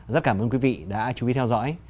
rất cảm ơn quý vị đã chú ý theo dõi